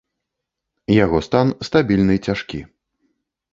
Яго стан стабільны цяжкі.